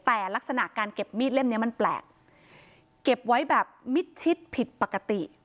แต่ลักษณะการเก็บมีดเล่มเนี้ยมันแปลกเก็บไว้แบบมิดชิดผิดปกติ